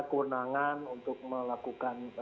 menangan untuk melakukan